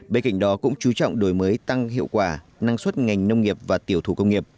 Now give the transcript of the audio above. bên cạnh đó cũng chú trọng đổi mới tăng hiệu quả năng suất ngành nông nghiệp và tiểu thủ công nghiệp